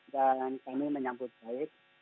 dan kami menyambut baik